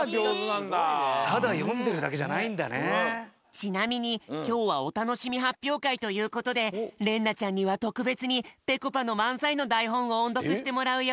ちなみにきょうはおたのしみはっぴょうかいということでれんなちゃんにはとくべつにぺこぱのまんざいのだいほんをおんどくしてもらうよ。